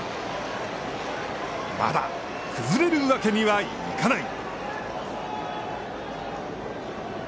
まだ、崩れるわけにはいかない。